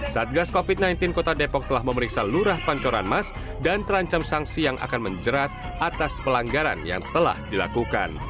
satgas covid sembilan belas kota depok telah memeriksa lurah pancoran mas dan terancam sanksi yang akan menjerat atas pelanggaran yang telah dilakukan